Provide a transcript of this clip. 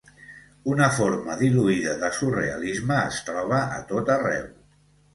una forma diluïda de surrealisme es troba a tot arreu.